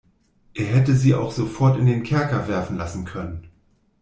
Er hätte sie auch sofort in den Kerker werfen lassen können.